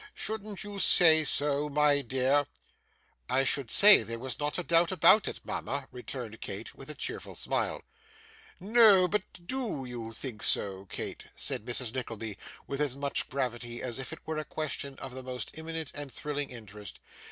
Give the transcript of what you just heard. Shouldn't you say so, my dear?' 'I should say there was not a doubt about it, mama,' returned Kate, with a cheerful smile. 'No; but DO you think so, Kate?' said Mrs. Nickleby, with as much gravity as if it were a question of the most imminent and thrilling interest.